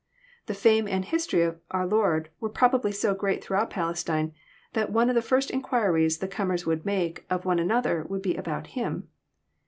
The fame and history of our Lord were probably so great throughout Palestine, that one of the first inquiries the comers would make of one another would be about Him.